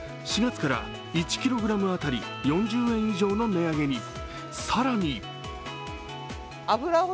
４月から１ｋｇ当たり４０円以上の値上げに。